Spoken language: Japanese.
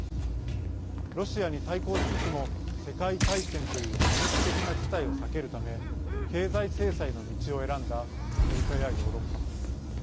ロシアに対抗しつつも世界大戦という破滅的な事態を避けるため経済制裁の道を選んだアメリカやヨーロッパ。